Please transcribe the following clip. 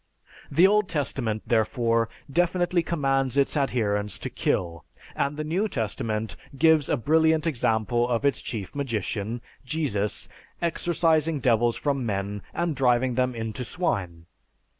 The Old Testament, therefore, definitely commands its adherents to kill, and the New Testament gives a brilliant example of its chief magician, Jesus, exorcising devils from men and driving them into swine.